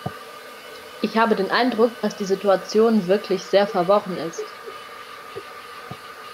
Ich habe den Eindruck, dass die Situation wirklich sehr verworren ist.